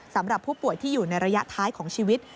สำหรับผู้ป่วยที่อยู่ในระยะท้ายของชีวิต